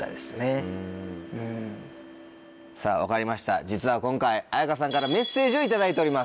さぁ分かりました実は今回絢香さんからメッセージを頂いております。